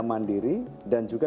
mandiri dan juga